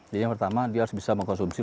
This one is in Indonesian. jadi yang pertama dia harus bisa mengkonsumsi